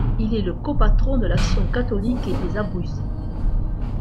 Il est le copatron de l'Action catholique et des Abruzzes.